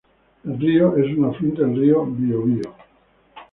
El río es un afluente del río Biobío.